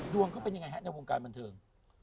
ก็เป็นยังไงฮะในวงการบันเทิง